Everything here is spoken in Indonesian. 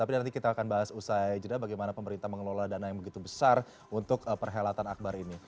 tapi nanti kita akan bahas usai jeda bagaimana pemerintah mengelola dana yang begitu besar untuk perhelatan akbar ini